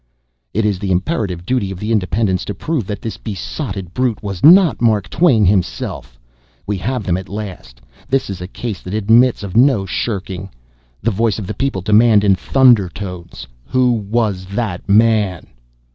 It is the imperative duty of the Independents to prove that this besotted brute was not Mark Twain himself. We have them at last! This is a case that admits of no shirking. The voice of the people demands in thunder tones, "WHO WAS THAT MAN?"